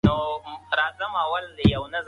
په ښارونو کې لوی ساختمانونه جوړ سوي دي.